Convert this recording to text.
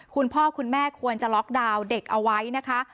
คุณพ่อคุณแม่ควรจะล็อกดาวน์เด็กเอาไว้นะคะ